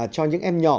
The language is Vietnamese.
cho những em nhỏ